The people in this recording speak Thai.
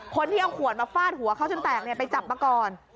คนที่เอาขวดมาฟาดหัวเขาจนแตกไปจับมาก่อน